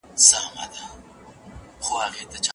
د مقالې پیلنۍ بڼه د لارښود لخوا کتل کېږي.